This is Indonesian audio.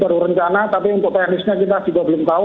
baru rencana tapi untuk teknisnya kita juga belum tahu